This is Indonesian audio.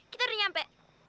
kita udah nyampe